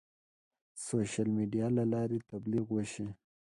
سوشیل میډیا له لارې د تبلیغ وشي.